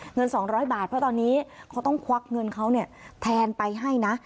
เงิน๒๐๐บาทเพราะตอนนี้เขาต้องควักเงินเขาแทนไปให้นะ